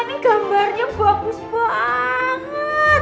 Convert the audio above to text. ini gambarnya bagus banget